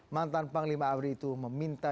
mantan panglima abri itu meminta